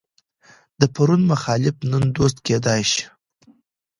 د پرون مخالف نن دوست کېدای شي.